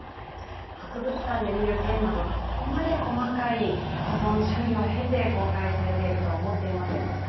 博物館で見る剣などがここまで細かい保存処理を経て公開されているとは思っていませんでした。